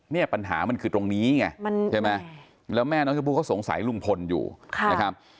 เนี่ยปัญหามันคือตรงนี้ไงใช่ไหมแล้วแม่น้องชมพู่เขาสงสัยลุงพลอยู่นะครับ